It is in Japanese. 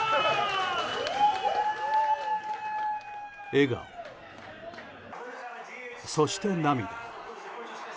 笑顔、そして涙。